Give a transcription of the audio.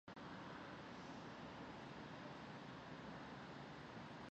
Zentroaren arduradunek adierazi dute kalteak zenbatzen ari direla ertzain-etxean salaketa aurkezteko.